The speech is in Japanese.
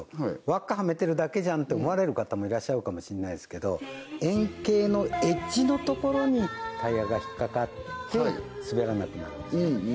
輪っかはめてるだけじゃんって思われる方もいらっしゃるかもしれないですけど円形のエッジのところにタイヤが引っかかって滑らなくなるんですね